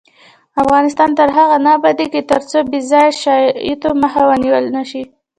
افغانستان تر هغو نه ابادیږي، ترڅو بې ځایه شایعاتو مخه ونیول نشي.